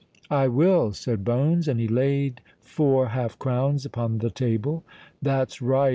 "I will," said Bones; and he laid four half crowns upon the table. "That's right!"